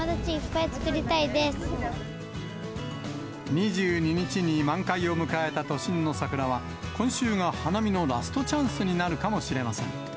２２日に満開を迎えた都心の桜は、今週が花見のラストチャンスになるかもしれません。